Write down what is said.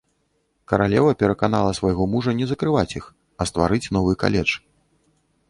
Каралева пераканала свайго мужа не закрываць іх, а стварыць новы каледж.